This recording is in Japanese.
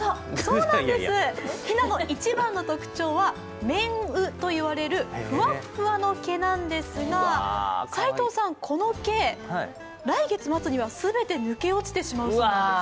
ひなの一番の特徴は綿羽と呼ばれるふわっふわの毛なんですが、斎藤さん、この毛、来月末にはすべて抜け落ちてしまうそうです。